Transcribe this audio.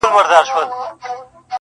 شمع سې پانوس دي کم پتنګ دي کم.!